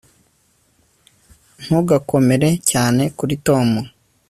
Ntugakomere cyane kuri Tom